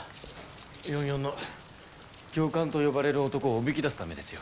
４４の教官と呼ばれる男をおびき出すためですよ。